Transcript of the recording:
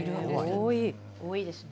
多いですね。